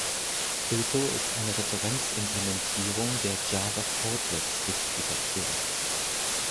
Pluto ist eine Referenzimplementierung der Java-Portlet-Spezifikation.